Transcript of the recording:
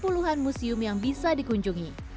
dan puluhan museum yang bisa dikunjungi